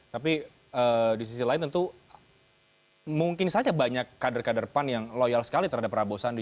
tapi di sisi lain tentu mungkin saja banyak kader kader pan yang loyal sekali terhadap prabowo sandi